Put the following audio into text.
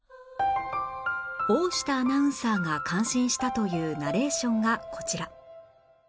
大下アナウンサーが感心したというナレーションがこちら